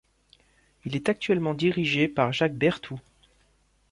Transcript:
Il est actuellement dirigé par Jacques Berthoux.